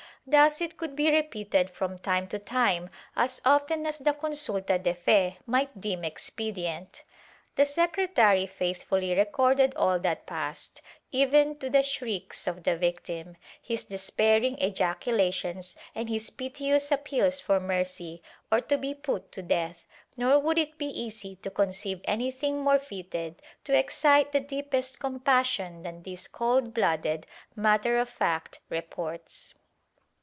Thus it could be repeated from time to time as often as the consulta de fe might deem expedient.^ The secretary faithfully recorded all that passed, even to the shrieks of the victim, his despairing ejaculations and his piteous appeals for mercy or to be put to death, nor would it be easy to conceive anything more fitted to excite the deepest compassion than these cold blooded, matter of fact reports.